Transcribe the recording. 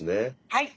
はい。